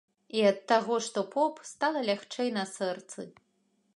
І ад таго, што поп, стала лягчэй на сэрцы.